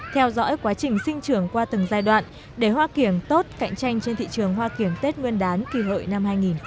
theo dõi quá trình sinh trường qua từng giai đoạn để hoa kiển tốt cạnh tranh trên thị trường hoa kiển tết nguyên đán kỳ hội năm hai nghìn một mươi chín